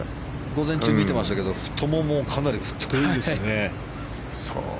午前中、見てましたけど太ももがかなり太いんですね。